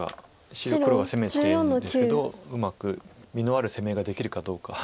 一応黒が攻めているんですけどうまく実のある攻めができるかどうか。